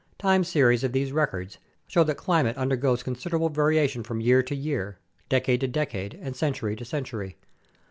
Time series of these records show that climate undergoes considerable variation from year to year, decade to decade, and century to century.